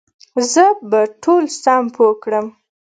زه به ټول سم پوه کړم